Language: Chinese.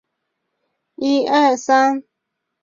无色透明易挥发液体。